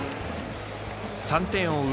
３点を追う